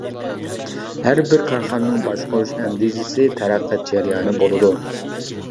ھەر بىر كارخانىنىڭ باشقۇرۇش ئەندىزىسى، تەرەققىيات جەريانى بولىدۇ.